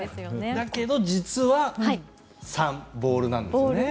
だけど、実は３、ボールなんですよね。